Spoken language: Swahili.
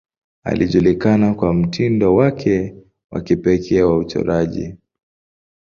Alijulikana kwa mtindo wake wa kipekee wa uchoraji.